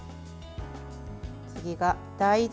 次が、大豆。